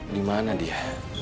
di mana dia